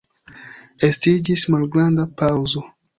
Estiĝis malgranda paŭzo.